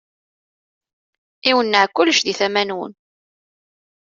Iwenneɛ kullec di tama-nwen.